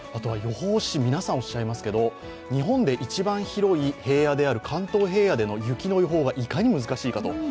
予報士皆さんおっしゃいますけれども、日本で一番広い平野である関東平野での雪の予報がいかに難しいか。